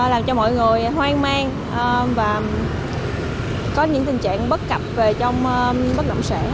làm cho mọi người hoang mang và có những tình trạng bất cập trong bất động sản